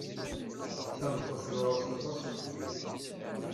Tameṭṭut-iw ɣur-s aṭas uxeddim